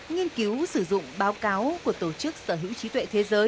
nghiên cứu sử dụng báo cáo của tổ chức sở hữu trí tuệ